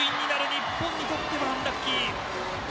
日本にとってはアンラッキー。